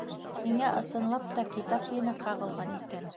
Һиңә ысынлап та китап ене ҡағылған икән!